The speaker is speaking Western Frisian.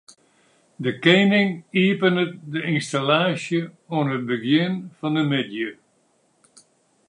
De kening iepenet de ynstallaasje oan it begjin fan de middei.